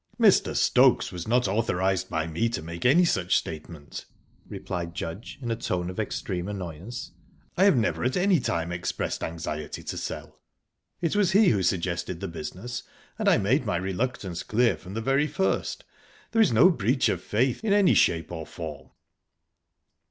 "Mr. Stokes was not authorised by me to make any such statement," replied Judge, in a tone of extreme annoyance. "I have never at any time expressed anxiety to sell. It was he who suggested the business, and I made my reluctance clear from the very first. There is no breach of faith in any shape or form."